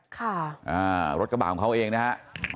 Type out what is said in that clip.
ค่ะอ่ารถกระบะของเขาเองนะฮะ